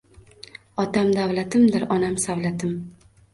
Otam davlatimdir onam savlatim